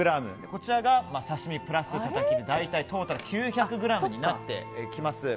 こちらが刺し身プラスたたきの大体トータル９００ｇになってきます。